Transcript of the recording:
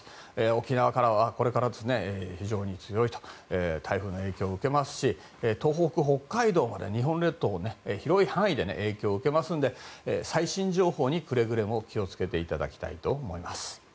沖縄からは、これから非常に強く台風の影響を受けますし東北、北海道まで日本列島、広い範囲で影響を受けますので最新情報にくれぐれも気を付けていただきたいと思います。